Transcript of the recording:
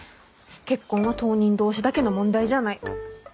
結婚は当人同士だけの問題じゃない。